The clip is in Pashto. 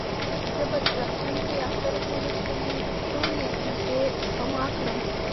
زه به تر راتلونکي اختر پورې خپلې ټولې پېسې سپما کړم.